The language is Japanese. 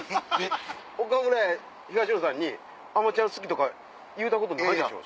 岡村や東野さんに『あまちゃん』好きとか言うたことないでしょ。